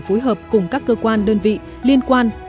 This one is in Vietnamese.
phối hợp cùng các cơ quan đơn vị liên quan